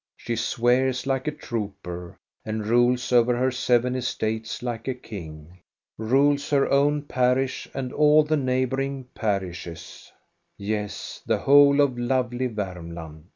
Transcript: She swears like a trooper, and rules over her seven estates like a king; rules her own parish and all the neighboring parishes; yes, the whole of lovely Varmland.